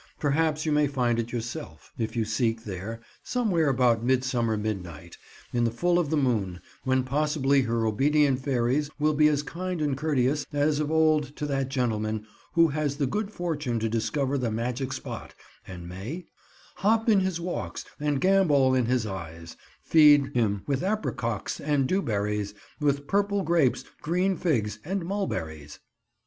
Perhaps you may find it yourself, if you seek there, somewhere about midsummer midnight, in the full of the moon, when possibly her obedient fairies will be as kind and courteous as of old to that gentleman who has the good fortune to discover the magic spot, and may— "Hop in his walks, and gambol in his eyes; Feed him with apricocks and dewberries, With purple grapes, green figs, and mulberries."